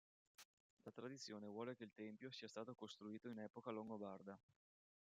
La tradizione vuole che il tempio sia stato costruito in epoca longobarda.